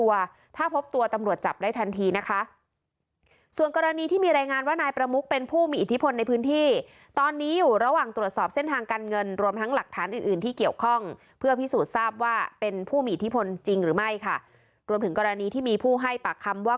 ว่าเป็นผู้มีอิทธิพลจริงหรือไม่ค่ะรวมถึงกรณีที่มีผู้ให้ปากคำว่า